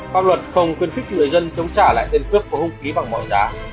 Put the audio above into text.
pháp luật không quyên thích người dân chống trả lại tên cướp và vũ khí bằng mọi giá